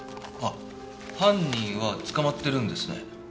あっ犯人は捕まってるんですね。